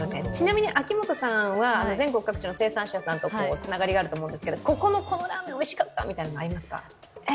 ちなみに秋元さんは全国各地の生産者さんとつながりがあると思うんですけど、ここのこのラーメン、おいしかったみたいなの、ありますか？